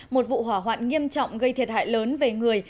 một vụ hỏa hoạn nghiêm trọng gây thiệt hại lớn về người